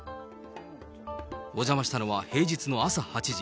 お邪魔したのは平日の朝８時。